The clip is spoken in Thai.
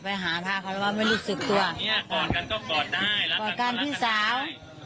ไปหาักความว่ามันรู้สึกตัวอ่ะนี้กอดกันนี้ต้องกอดได้พี่สาว